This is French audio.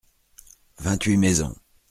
Vingt-huit maisons.